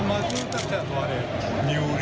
ภายุมันว่าใกล้เผาเทรวร์